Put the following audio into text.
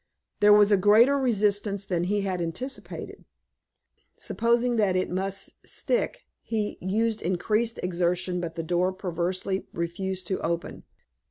There was a greater resistance than he had anticipated. Supposing that it must stick, he used increased exertion, but the door perversely refused to open.